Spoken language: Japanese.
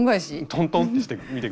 トントンってしてみて下さい。